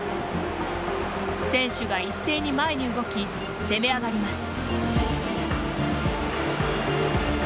選手が一斉に前に動き攻め上がります。